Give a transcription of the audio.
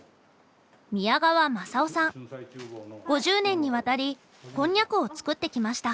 ５０年にわたりこんにゃくを作ってきました。